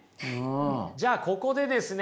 じゃあここでですね